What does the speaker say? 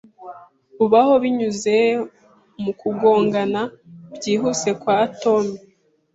bubaho binyuze mu kugongana byihuse kwa atome